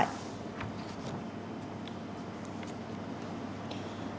tình quốc tế